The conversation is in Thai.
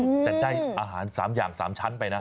แต่ได้อาหาร๓อย่าง๓ชั้นไปนะ